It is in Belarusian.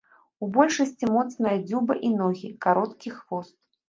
У большасці моцная дзюба і ногі, кароткі хвост.